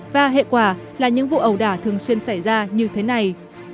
và hệ quả là những vụ ẩu đả thường xuyên xảy ra như thế này